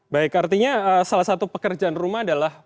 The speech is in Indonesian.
baik artinya salah satu pekerjaan rumah adalah